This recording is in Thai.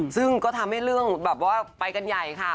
ซึ่งก็ทำให้เรื่องแบบว่าไปกันใหญ่ค่ะ